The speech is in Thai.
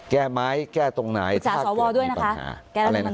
แก้ไหมแก้ตรงไหนถ้าเกิดมีปัญหา